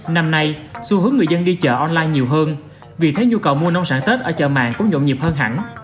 năm nay xu hướng người dân đi chợ online nhiều hơn vì thế nhu cầu mua nông sản tết ở chợ màng cũng nhộn nhịp hơn hẳn